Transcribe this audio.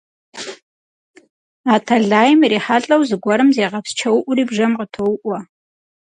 А тэлайм ирихьэлӏэу зыгуэрым зегъэпсчэуӏури бжэм къытоуӏуэ.